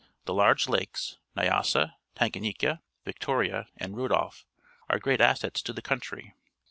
The large lakes, A'yasa, Tanganyika, Victoria. and Rudolph, are great assets to the couiitiy.